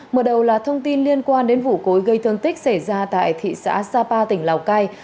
mở đầu là thông tin liên quan đến vụ cối gây thương tích xảy ra tại thị xã sapa tỉnh lào cai